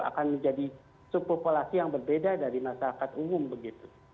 akan menjadi subkulasi yang berbeda dari masyarakat umum begitu